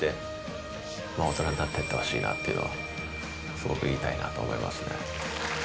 すごく言いたいなと思いますね。